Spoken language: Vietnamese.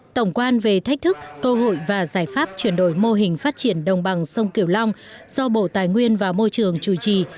tổng quan về thách thức cơ hội và giải pháp chuyển đổi mô hình phát triển đồng bằng sông kiểu long do bộ tài nguyên và môi trường chủ trì